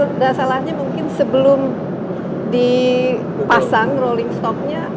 tapi tidak ada salahnya mungkin sebelum dipasang rolling stock